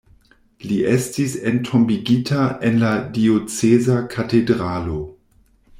Li estis entombigita en la dioceza katedralo.